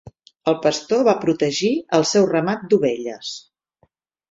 El pastor va protegir el seu ramat d'ovelles.